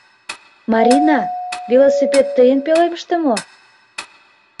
Марина, велосипед тыйын пӧлемыште мо?